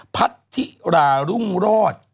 พัดทิหรารุ่งรอด